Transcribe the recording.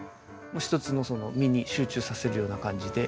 もう１つのその実に集中させるような感じで。